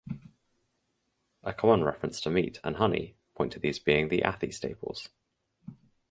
A common reference to meat and honey point to these being the Athi staples.